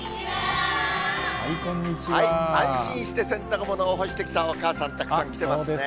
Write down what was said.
安心して洗濯物を干してきたお母さん、たくさん来てますね。